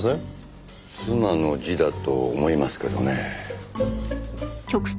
妻の字だと思いますけどね。